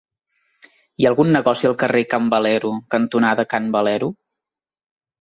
Hi ha algun negoci al carrer Can Valero cantonada Can Valero?